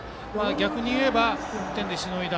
逆に言えば１点でしのいだ。